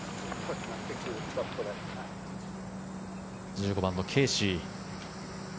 １５番のケーシー。